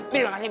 terima kasih bi